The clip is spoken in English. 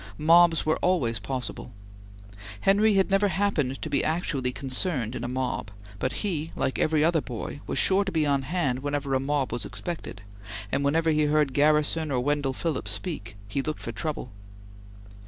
Mobs were always possible. Henry never happened to be actually concerned in a mob, but he, like every other boy, was sure to be on hand wherever a mob was expected, and whenever he heard Garrison or Wendell Phillips speak, he looked for trouble.